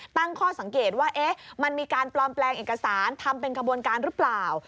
ตั้งข้อสังเกตว่ามันมีการปลอมแปลงเอกสารทำเป็นขบวนการหรือเปล่า